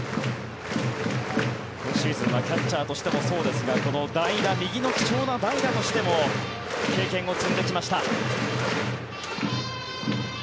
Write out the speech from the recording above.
今シーズンはキャッチャーとしてもそうですがこの代打右の貴重な代打としても経験を積んできました。